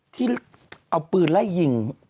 ที่เอาปืนไล่ยิง